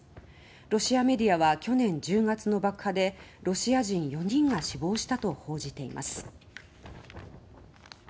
ロシアメディアは去年１０月の爆破でロシア人４人が死亡したと報じています。